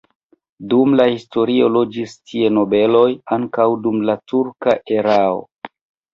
Dum la historio loĝis tie nobeloj, ankaŭ dum la turka erao.